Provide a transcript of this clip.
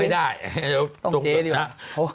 ไม่ได้ตรงเจ๊ดีกว่า